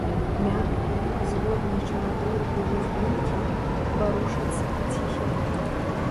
Мяккай, згоднай чарадой плывуць думкі, варушацца паціхеньку.